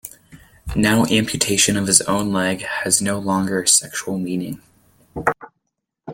Now amputation of his own leg has no longer a sexual meaning.